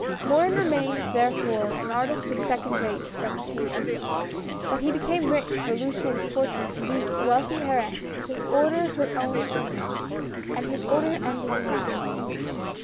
Morin remained therefore, an artist of second rate reputation ; but he became rich, for Luciane's portrait induced a wealthy heiress to order her own from him, and this order ended in matrimony.